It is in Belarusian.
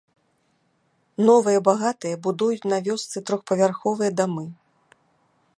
Новыя багатыя будуюць на вёсцы трохпавярховыя дамы.